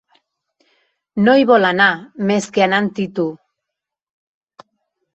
No hi vol anar, més que més anant-hi tu.